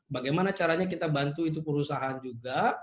bagaimana caranya kita bantu itu perusahaan juga